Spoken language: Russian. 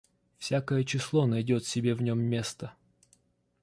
Всякое число найдёт себе в нём место.